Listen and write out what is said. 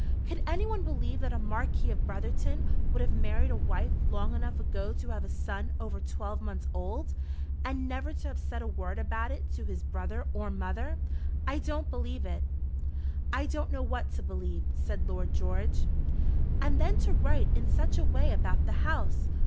Could anyone believe that a Marquis of Brotherton would have married a wife long enough ago to have a son over twelve months old, and never to have said a word about it to his brother or mother? I don't believe it." "I don't know what to believe," said Lord George. "And then to write in such a way about the house!